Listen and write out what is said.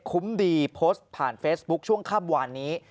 คุ้มดีโพสต์ผ่านเฟซบุ๊คช่วงค่ำวานนี้